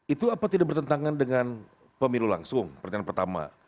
itu apa tidak bertentangan dengan pemilu langsung pertanyaan pertama